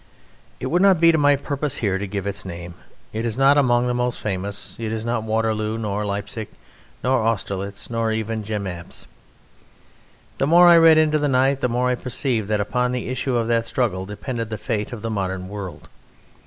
It would not be to my purpose here to give its name. It is not among the most famous; it is not Waterloo, nor Leipsic, nor Austerlitz, nor even Jemappes. The more I read into the night the more I perceived that upon the issue of that struggle depended the fate of the modern world.